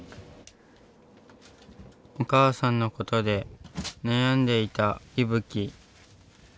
お母さんのことで悩んでいたいぶき。